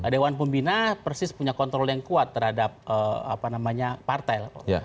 dewan pembina persis punya kontrol yang kuat terhadap partai